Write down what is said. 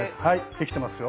できてますよ。